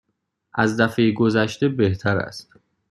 از دفعه گذشته بهتر است.